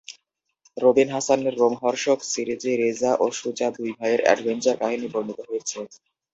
রকিব হাসানের রোমহর্ষক সিরিজে রেজা ও সুজা দুই ভাইয়ের এডভেঞ্চার কাহিনি বর্ণিত হয়েছে।